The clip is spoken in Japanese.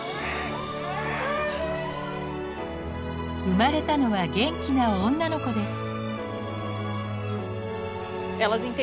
産まれたのは元気な女の子です。